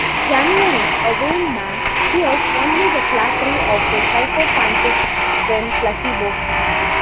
Januarie, a vain man, hears only the flattery of his sycophantic friend Placebo.